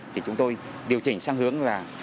thì chúng tôi điều chỉnh sang hướng là